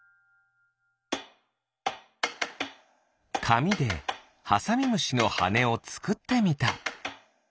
かみでハサミムシのはねをつくってみた。